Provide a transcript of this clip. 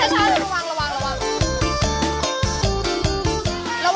ช้าระวัง